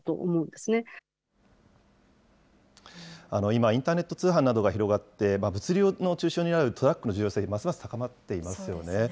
今、インターネット通販などが広がって、物流の中心を担うトラックの重要性、ますます高まっていますよね。